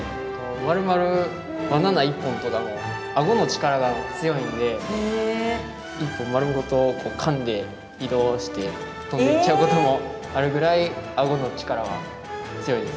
まるまるバナナ１本とかもアゴのチカラが強いんで１本丸ごとこうかんで移動して飛んでいっちゃうこともあるぐらいアゴのチカラは強いですね。